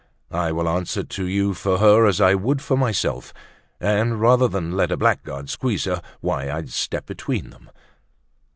"I will answer to you for her as I would for myself. And rather than let a blackguard squeeze her, why I'd step between them."